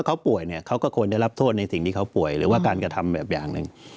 เขาป่วยเนี่ยเขาก็ควรได้รับโทษในสิ่งที่เขาป่วยหรือว่าการกระทำแบบอย่างหนึ่ง